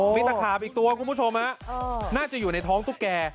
มีตะขาบอีกตัวคุณผู้ชมน่าจะอยู่ในท้องตุ๊กแก่